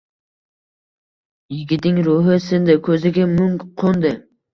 Yigitning ruhi sindi, ko’ziga mung qo’ndi.